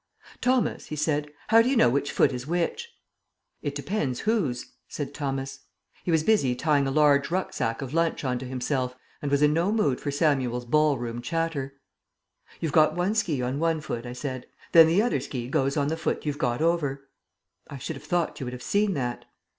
"Thomas," he said, "how do you know which foot is which?" "It depends whose," said Thomas. He was busy tying a large rucksack of lunch on to himself, and was in no mood for Samuel's ball room chatter. "You've got one ski on one foot," I said. "Then the other ski goes on the foot you've got over. I should have thought you would have seen that."